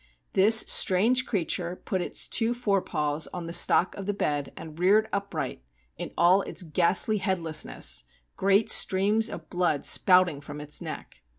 This strange creature put its two fore paws on the stock of the bed and reared upright in all its ghastly headlessness, great streams of blood spouting from its neck.